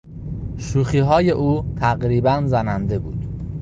شوخیهای او تقریبا زننده بودند.